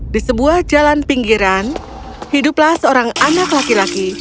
di sebuah jalan pinggiran hiduplah seorang anak laki laki